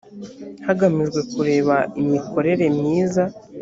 hagamijwe kureba imikorere myiza